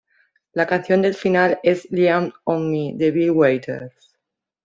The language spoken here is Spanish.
La canción del final es "Lean on Me" de Bill Withers.